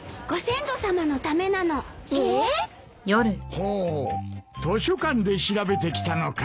ほお図書館で調べてきたのか。